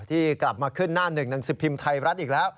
ที่กลับมาขึ้นหน้าหนึ่งหนังสือพิมพ์ไทยรัฐอีกแล้ว